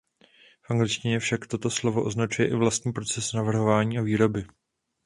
V angličtině však toto slovo označuje i vlastní proces navrhování a výroby.